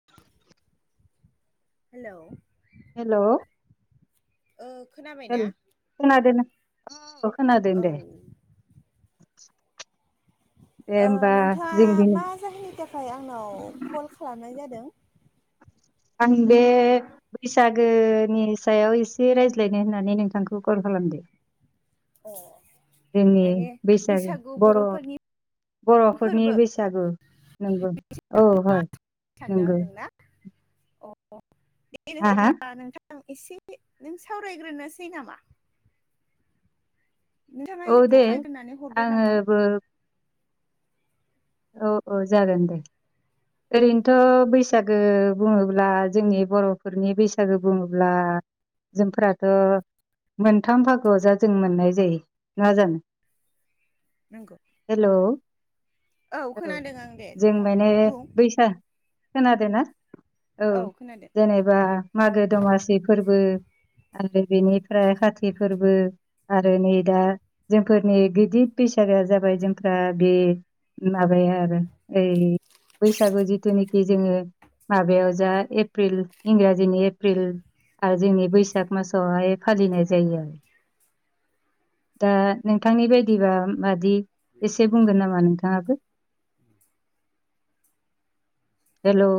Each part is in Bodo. [inaudible] हेलौ हेल' ओ खोनाबायना? खोनादोनो औ खोनादों औ दे। दे ओ होमबा नोंथाङा जों दिनै मा जाहोननि थाखाय आंनाव कल खालामनाय जादों। आंनि बे बैसागोनि सायाव एसे रायज्लायनो होननानै नोंथांखौ कल खालामदो। अ' जोंनि माने बैसागु बर' बर'फोरनि बर'फोरनि फोरबो बैसागु नंगौ औ हय सानदों नंगौ आंजों ना अ दे हा हा अब्ला नोंथां आं एसे नों सावरायग्रोनोसै नामा? नोंथाङा औ एसे दे फोरमायग्रानै हरदो नामा? आङोबो औ औ जागोन दे। ओरैनोथ' बैसागो बुङोब्ला जोंनि बर'फोरनि बैसागो बुङोब्ला जोंफोराथ' मोनथाम बाहागोआव जा जों मोननाय जायो नङा जानो नंगौ हेल' औ खोनादों आं दे जों नोंथां माने बुं बैसागो खोनादों ना औ जेनेबा मागो दमासि फोरबो आरो बेनिफ्राय खाति फोरबो आरो नै दा जोंफोरनि गिदिर बैसागोआ जाबाय जोंफ्रा बे माबाया आरो ओइ बैसागु जिथुनाखि जोङो माबायाव जा एप्रिल इंराजिनि एप्रिल आरो जोंनि बैसाग मासावहाय फालिनाय जायो आरो दा नोंथांनि बायदिबा मादि एसे बुंगोन नामा नोंथाङाबो [inaudible] हेल'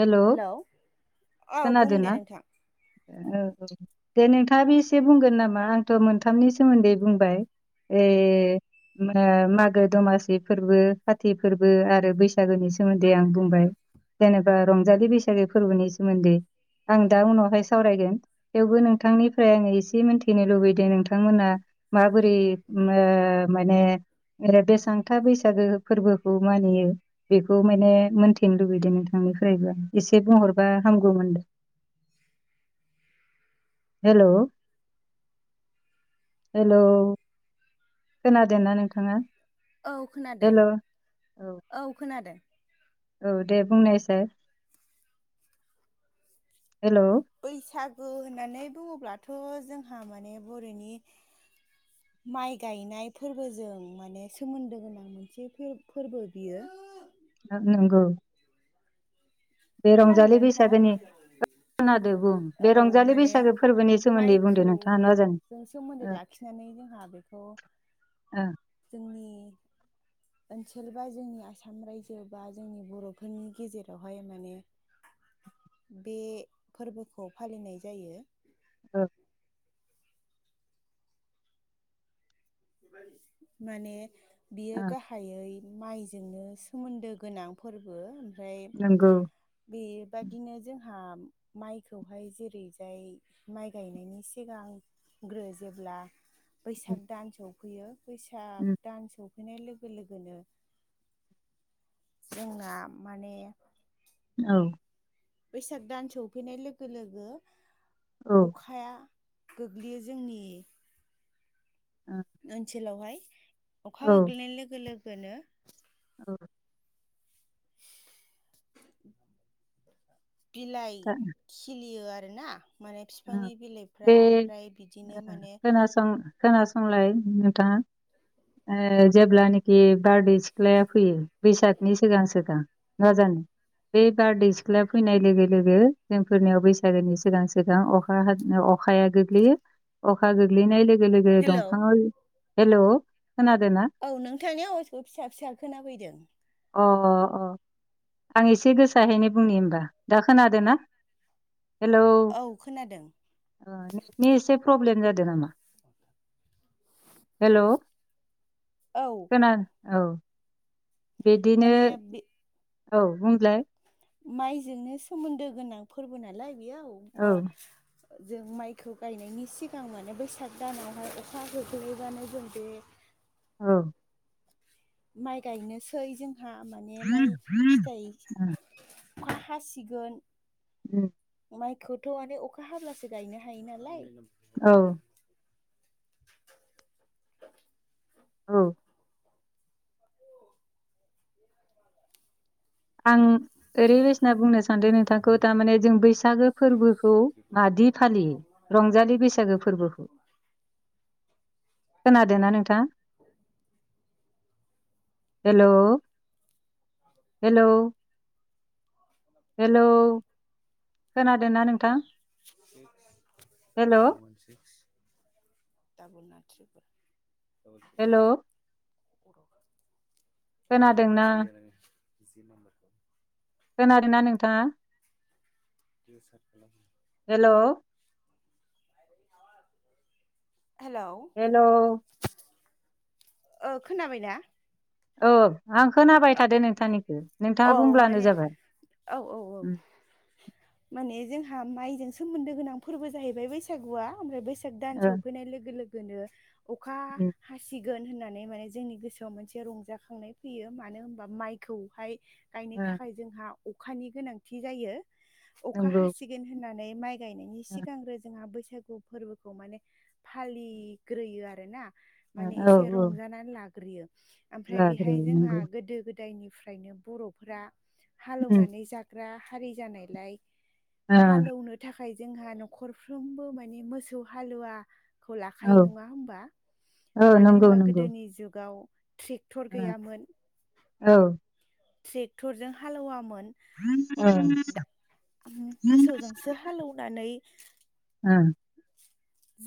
हेल' हेलौ औ बुं खोनादों दे ना नोंथां औ औ दे नोंथाङाबो एसे बुंगोन नामा आंथ' मोनथामनि सोमोन्दै बुंबाय ए मागो दमासि फोरबो खाथि फोरबो आरो बैसागु बैसागोनि सोमोन्दै आं बुंबाय जेनेबा रंजालि बैसागो फोरबोनि सोमोन्दै आं दा उनावहाय सावरायगोन थेवबो नोंथांनिफ्राय आङो एसे मोन्थिनो लुबैदों नोंथांमोना माबोरै माने ओरै बेसांथा बैसागो फोरबोखौ मानियो बेखौ माने मोन्थिनो लुबैदों नोंथांनिफ्रायबो एसे बुंहरबा हामगौमोन? हेल' हेल' खोनादों ना नोंथाङा औ खोनादों हेल' औ औ खोनादों। औ दे बुंनायसै हेल' बैसागु होननानै बुङोब्लाथ' जोंहा माने बर'नि [inaudible] माइ गायनाय फोरबोजों माने सोमोन्दो गोनां मोनसे फो फोरबो बियो नंगौ बे रंजालि खोनादोंना नोंथाङा बैसागोनि खोनादो बुं बे औ रंजालि माने बैसागो फोरबोनि सोमोन्दै बुंदो माइखौ नोंथाङा न' जों सोमोन्दो ओ लाख आखिनानै जोंहा बेखौ ओ जोंनि ओनसोल बा जोंनि आसाम रायजो बा जोंनि बर'फोरनि गेजेरावहाय माने बे फोरबोखौ फालिनाय जायो ओ माने बियो ओ गाहायै माइजोंनो सोमोन्दो गोनां फोरबो ओमफ्राय नंगौ बेबादिनो जोंहा माइखौहाय जेरैजाय माइ गायनायनि सिगां ग्रो जेब्ला उम बैसाग दान सफैयो बैसाग उम दान सफैनाय लोगो लोगोनो जोंना माने औ बैसाग दान सौफैनाय लोगो लोगो अखा औ खाया गोग्लैयो जोंनि [inaudible] ओनसोलावहाय अखा औ गोग्लैनाय लोगो लोगोनो औ बिलाइ था- खिलियो आरोना माने फिफांनि बे बिलाइफ्रा ओमफ्राय बिदिनो माने खोनासं खोनासंलाय नोंथाङा। ओ जेब्लानोखि बारदै सिख्लाया फैयो बैसागनि सिगां सिगां [unintelligible] बे बारदै सिख्लाया फैनाय लोगो लोगो जोंफोरनियाव बैसागोनि सिगां सिगां अखा हाग्रो अखाया गोग्लैयो अखा गोग्लैनाय लोगो लोगो हेलौ दंफाङाव हेल' खोनादोना? औ नोंथांनि आवाजखौ फिसा फिसा खोना फैदों। अ अ अ आं एसे गोसायाहैनि बुंनि होमबा दा खोनादों ना? हेलौ औ खोनादों। ओ नेटनि एसे प्रब्लेम जादों नामा? हेल' औ खोना औ। बिदिनो माने बे औ बुंलाय? माइजोंनो सोमोन्दो गोनां फोरबो नालाय बेयाव ओ औ जों माइखौ गायनायनि सिगां माने बैसाग दानावहाय अखा गोग्लैबानो जों बे औ माइ गायनोसै जोंहा माने माइ थाय बा हासिगोन उम माइखौथ' आनो अखा हाब्लासो गायनो हायो नालाय। औ औ आं ओरैबायसा बुंनो सानदों नोंथांखौ थारमाने जों बैसागो फोरबोखौ मादि फालियो? रंजालि बैसागो फोरबो खोनादों ना नोंथां। हेल' औ हेल' [unintelligible] हेल' खोनाादोंना नों six hello double zero one six hello [unintelligible] आंनि नाम्बारखौ खोनादोंना गोसो गैया नोङो जि नाम्बार खोनादों ना नोंथाङा? [unintelligible] हेल' हेलौ हेल' ओ खोनाबायना? औ आं खोनाबाय थादो नोंथांनिखौ औ नोंथाङा बुंब्लानो माने जाबाय। औ औ औ उम माने जोंहा माइजों सोमोन्दो गोनां फोरबो जाहैबाय बैसागुआ ओमफ्राय बैसा दान ओ सफैनाय लोगो-लोगोनो अखा उम हासि गोन होननानै माने जोंनि गोसोआव मोनसे रंजाखांनाय फैयो मानो ओमबा माइखौहाय गायनो ओ थाखाय जोंहा अखानि गोनांथि जायो अखा नंगौ हासिगोन होननानै माइ गायनायनि ओ सिगांग्रो जोंहा बैसागु फोरबोखौ माने फालिग्रोयो आरोना ओ माने औ एसे औ रंजानानै लाग्रोयो ओमफ्राय बेहाय लाद्राय जोंहा नंगौ गोदो गोदायनिफ्रायनो बर'फोरा हाल एवनानै जाग्रा हारि जानायलाय औ हाल एवनो थाखाय जोंहा नखरफ्रोमबो माने मोसौ हालुवा खौ लाखायो औ नङा होमबा औ मानो नंगौ होमबा नंगौ गोदोनि जुगाव ट्रेक टर ओ गैयामोन। औ ट्रेक्टरजों हाल एवामोन। ओ दा मोसौजोंसो हाल एवनानै ओं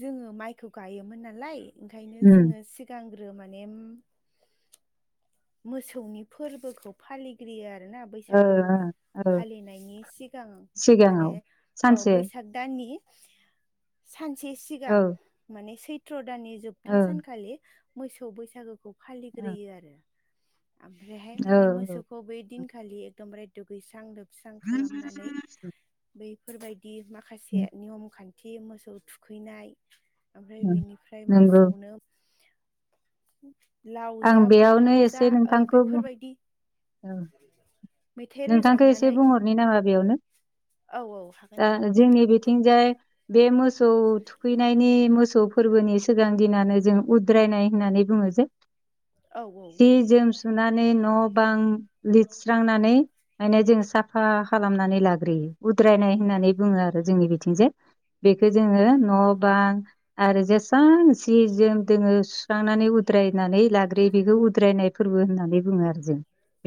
जोङो माइखौ गायोमोन नालाय ओंखायनो जोङो सि ग्रांग्रो माने उम मोसौनि फोरबोखौ फालिग्रोयो आरोना। ओ बैसागु ओ फालिनायनि सिगां माने सिगाङाव औ सानसे बैसाग दाननि सानसे सिगां औ माने सैत्र दाननि जोब जोबथा ओ सानखालि मोसौ बैसागोखौ ओ फालिग्रोयो आरो। ओमफ्रायहाय औ माने मोसौखौ बै दिनखालि एकदमबारे दुगैस्रां लोब स्रां खालामनानै बैफोरबायदि माखासे नियम खान थि मोसौ थुखैनाय ओमफ्राय बेनिफ्राय नंगौ मोसौनो लाव आं जा बेयावनो फान्थाव जा एसे ओ नोंथांखौ बुं बेफोरबायदि औ [inaudible] नोंथांखौ एसे रोजाबनानै बुंहरनि नामा बेयावनो औ औ हागोन दा दे ओ जोंनि बि थिंजाय बे मोसौ थुखैनाय नि मोसौ फोरबोनि सिगां दिनानो जों उद्रायनाय होननानै बुङो जे औ सि जोम सुनानै न' बां लिरस्रांनानै माने जोङो साफा खालामनानै लाग्रोयो उद्रायनाय होननानै बुङो आरो जोंनि बिथिं जे बेखौ जोङो न' बां आरो जेसां जि जोम दोङो सुस्रांनानै उद्रायनानै लाग्रोयो बेखौ उद्रायनाय फोरबो होननानै बुङो आरो जों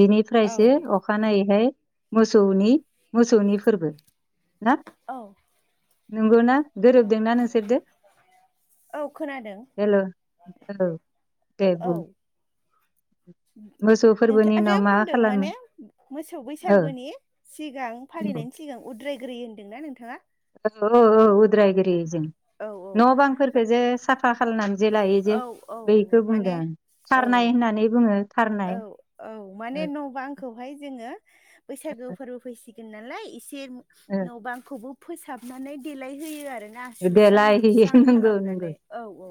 बेनिफ्रायसो अखानायैहाय मोसौनि मोसौनि फोरबो ना औ नंगौना गोरोबदोंना नोंसोरदो? औ खोनादों हेल' औ दे औ बुं मोसौ फोरबोनि नोंथाङा जे उनाव मा बुंदों खालामो माने मोसौ औ बैसागुनि सिगां फालिनायनि सिगां उद्रायग्रो होन्दोंना नोंथाङा औ औ औ उद्रायग्रोयो जों औ औ न' बांफोरखो जे साफा खालायनानै लायो जे औ औ बेखौ माने बुंदों आं औ थारनाय होननानै बुङो। थारनाय औ औ माने न'बा खौहाय जोङो बैसागो फोरबो फैसिगोन नालाय एस फिन न' बांखौबो फोसाबनानै देलायहोयो आरो। ना सुस्रां देलाय होयो लोबस्रां नंगौ नंगौ खालामनानै औ औ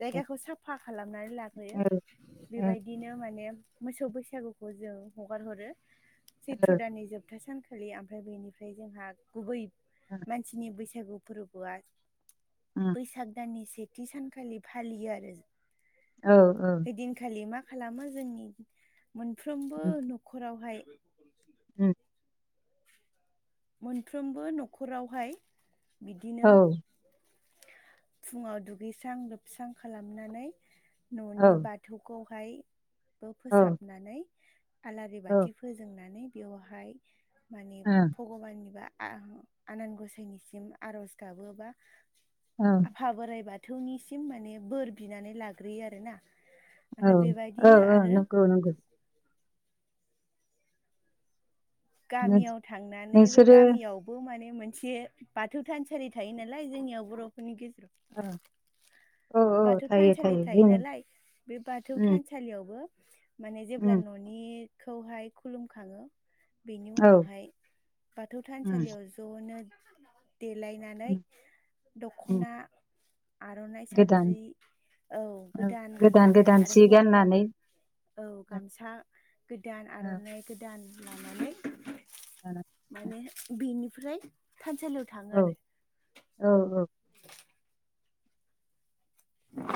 जायगाखौ साफा खालामनानै लाग्रोयो औ औ बेबाय दिनो माने मोसौ बैसागुखौ जों हगार हरो औ चैत्र दाननि जोबथा सान खालि ओमफ्राय बेनिफ्राय जोंहा गुबै [inaudible] मानसिनि बैसागु फोरबोआ बैसाग दाननि से थि सानखालि फालियो आरो औ औ दिनखालि मा खालामो जोंनि मोनफ्रोमबो न'खरावहाय उम मोनफ्रोमबो न'खरावहाय बिदिनो फुङाव दुगैस्रां लोबस्रां खालामनानै न'नि बा बाथौखौहाय ओ फोसाबनानै आलारि बाथि फोजोंनानै बेवहाय माने भगबाननि बा आ-आनान गसाइनिसिम आरज गाबोबा औ आफा बोराइ बाथौनिसिम माने बोर बिनानै लाग्रोयो आर ना औ आरो औ बेबायदिनो आरो नंगौ औ नंगौ। गामियाव थांनानैबो नोंसोरो गामियाव बो माने मोनसे बाथौ थानसालि थायो नालाय जोंनियाव बर'फोरनि औ गेजेराव औ बाथौ थायो थानसालि थायो जोंनि नालाय बे बाथौ थानसालियावबो माने जेब्ला न'निखौहाय खुलुम खाङो बेनि औ उनावहाय बाथौ थानसालियाव ज'नो देलायनानै दख'ना आर'नाइ गोदान साद्रि औ गोदान गाननानै गोदान आरो सि हौवाफ्राबो गाननानै औ गामसा गोदान आर'नाइ गोदान लानानै औ माने बेनिफ्राय थानसालियाव थाङो आरो औ औ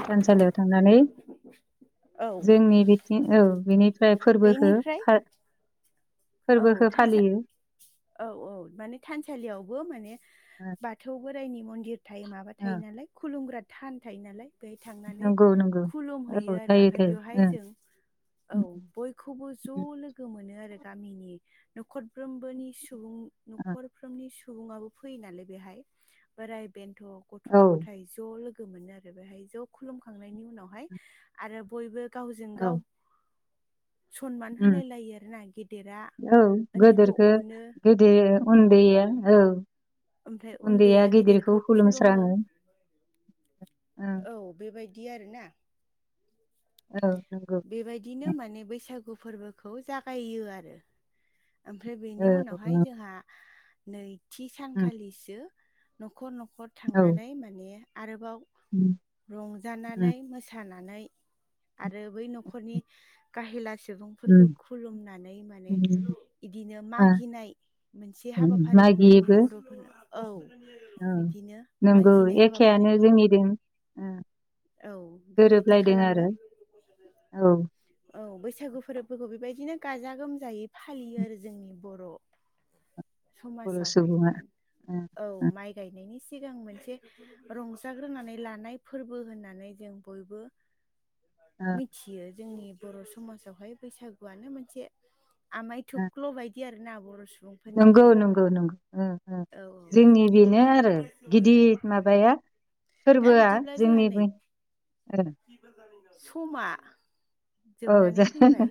थानसालियाव थांनानै औ जोंनि बिथिं औ बिनि [unintelligible] फोरबोखो बेनिफ्राय बा औ फोरबोखो थानसा फालियो औ औ माने थानसालियावबो माने ओ बाथौ बोराइनि मन्दिर थायो माबा ओ थायो नालाय खुलुमग्रा थान थायो नालाय। बेहाय थांनानै नंगौ नंगौ खुलुम हैैयो औ आरो थायो आमफ्राय बेवहाय थायो जों औ बय खौबो ओ ज' लोगो मोनो आरो गामिनि नखरफ्रोमबोनि सुबुं न'खरफ्रोमनि सुबुङाबो फैयो नालाय बेहाय बोराय बेन्थ गथ' ओ गथाय ज' लोगो मोनो आरो बेहाय ज' खुलुमखांनायनि उनावहाय आरो बयबो गावजों औ गाव सनमान उम होलाय लायो आरो ना गेदेरा ओन्दैखौ अनो। गोदो उन्दैया औ ओमफ्राय उन्दैया गिदिरखौ गेदेरखौ खुलुमो। खुलुमस्राङो ओ औ बेबायदि आरोना। औ नोंगौ। बेबायदिनो माने बैसागु फोरबोखौ जागायो आरो ओमफ्राय औ बेनि औ उनावहाय जोंहा नैथि उम सानखालिसो न'खर न'खर औ थांनानै माने आरोबाव उम उम रंजानानै मोसानानै आरो बै न'खरनि गाहेला सुबुंफोरखौ उम खुलुमनानै माने उम इदिनो आ मागिनाय मोनसे हाबाफारि दं जोंनि मागियोबो बर'फोरनो औ बिदिनो नंगौ मागिनाय एखेआनो हाबाफारिखौ [unintelligible] औ बेबायदि गोरोबलायदों खालामो आरो औ औ बैसागु फोरबोफोरखौ बेबायदिनो गाजा गोमजायै फालियो जोंनि बर बर' समावहाय सुबुङा ओ [unintelligible] औ ओ माइ गायनायनि सिगां मोनसे रंजाग्रोनानै लानाय फोरबो होननानै जों बयबो ओ। थियो जोंनि बर' समाजावहाय बैसागुआनो मोनसे आमायथु ओ ख्ल' बायदि आरो ना बर' सुबुं नंगौ नंगौ नंगौ उम उम औ जोंनि बेनो आरो गिदिर माबाया दा फोरबोआ बिदिब्ला जोंहा नै जोंनिबे ओ समा औ जोबनानै जे फैबाय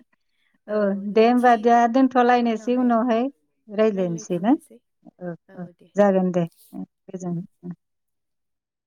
औ दे होमबा जोंहा दोनथ' लायनोसै उनावहाय रायज्लायनोसै ना रायलायफिननोसै ओ औ ओ दे जागोन दे। उम गोजोन उम।